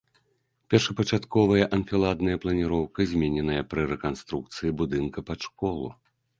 Першапачатковая анфіладная планіроўка змененая пры рэканструкцыі будынку пад школу.